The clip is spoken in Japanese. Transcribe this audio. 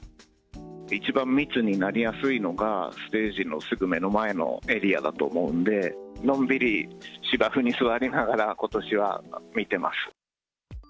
一番密になりやすいのが、ステージのすぐ目の前のエリアだと思うんで、のんびり芝生に座りながら、ことしは見てます。